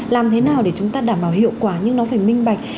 làm thế nào để chúng ta đảm bảo hiệu quả nhưng nó phải minh bạch